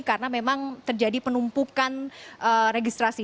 karena memang terjadi penumpukan registrasi